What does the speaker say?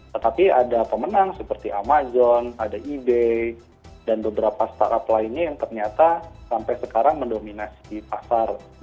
tetapi ada pemenang seperti amazon ada ide dan beberapa startup lainnya yang ternyata sampai sekarang mendominasi pasar